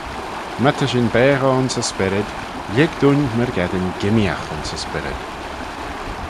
My ta shin baghey ayns y spyrryd, lhig dooin myrgeddin gimmeeaght ayns y spyrryd.